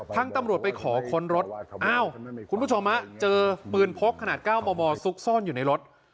ตำรวจไปขอค้นรถอ้าวคุณผู้ชมเจอปืนพกขนาด๙มมซุกซ่อนอยู่ในรถ